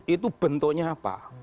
itu bentuknya apa